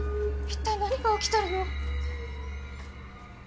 一体何が起きてるの？